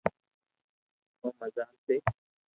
او مزار تي